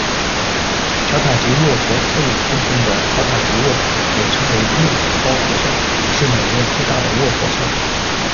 巧塔吉卧佛寺里供奉的巧塔吉卧佛，也称为六层高佛像，是缅甸最大的卧佛像。